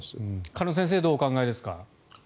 鹿野先生どうお考えですか？